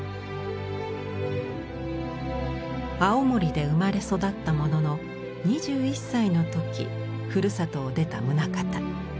青森で生まれ育ったものの２１歳の時ふるさとを出た棟方。